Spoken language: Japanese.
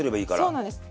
そうなんです。